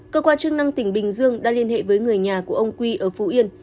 cơ quan chức năng tỉnh bình dương đã liên hệ với người nhà của ông quy ở phú yên